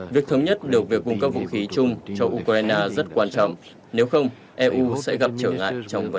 việc thống nhất được việc cung cấp vũ khí chung cho ukraine rất quan trọng nếu không eu sẽ gặp trở ngại trong vấn đề